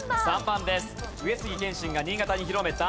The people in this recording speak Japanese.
上杉謙信が新潟に広めた。